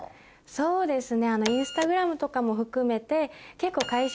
そうですね。